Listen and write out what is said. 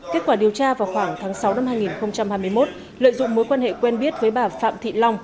kết quả điều tra vào khoảng tháng sáu năm hai nghìn hai mươi một lợi dụng mối quan hệ quen biết với bà phạm thị long